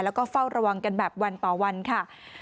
แล้วก็เฝ้าระวังกันแบบวันต่อวันค่ะ